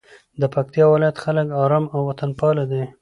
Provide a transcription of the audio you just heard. د پکتیکا ولایت خلک آرام او وطنپاله دي.